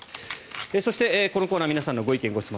そして、このコーナー皆さんのご意見・ご質問